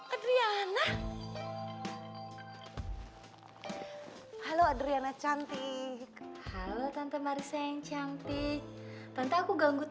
aduh berisiklah kita mel naturally